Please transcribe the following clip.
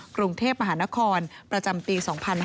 กรุงเทพมหานครประจำปี๒๕๕๙